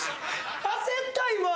焦った今。